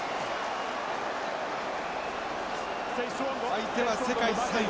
相手は世界３位。